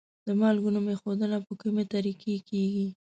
د مالګو نوم ایښودنه په کومې طریقې کیږي؟